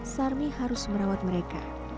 sarmi harus merawat mereka